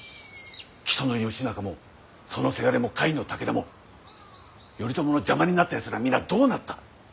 木曽義仲もそのせがれも甲斐の武田も頼朝の邪魔になったやつらは皆どうなった。